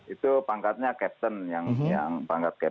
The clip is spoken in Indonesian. itu pangkatnya captain